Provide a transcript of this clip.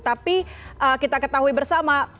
tapi kita ketahui bersama